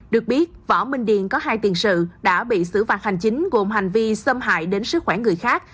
được biết võ minh điền có hai tiền sự đã bị xử phạt hành chính gồm hành vi xâm hại đến sức khỏe người khác